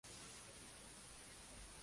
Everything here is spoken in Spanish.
Godofredo fue sucedido por su hijo Bertrand.